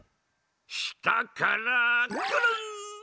したからくるん！